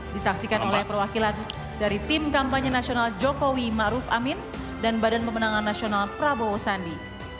disaksikan oleh perwakilan dari tim kampanye nasional jokowi ⁇ maruf ⁇ amin dan badan pemenangan nasional prabowo sandi